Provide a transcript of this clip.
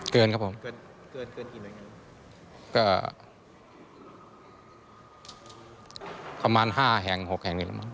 เคอะมาน๕แห่ง๖แห่งนี้ละครับ